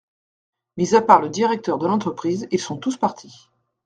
Mis à part le directeur de l’entreprise, ils sont tous partis.